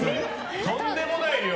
とんでもない量。